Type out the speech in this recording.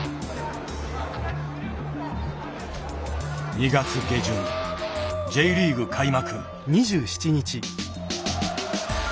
２月下旬Ｊリーグ開幕。